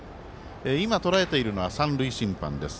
今、とらえているのは三塁審判です。